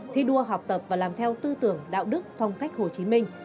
thi đua học tập và làm theo tư tưởng đạo đức phong cách hồ chí minh